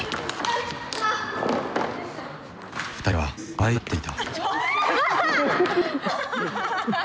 ２人は笑い合っていた。